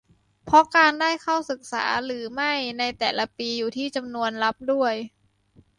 เพราะการได้เข้าศึกษาหรือไม่ในแต่ละปีอยู่ที่จำนวนรับด้วย